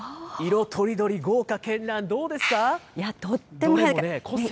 色とりどり、豪華絢爛、どうですとってもいい。